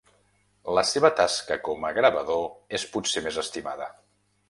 La seva tasca com a gravador és potser més estimada.